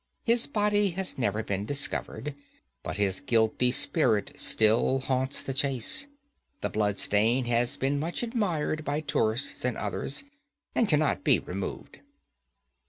His body has never been discovered, but his guilty spirit still haunts the Chase. The blood stain has been much admired by tourists and others, and cannot be removed."